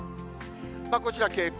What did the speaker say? こちら傾向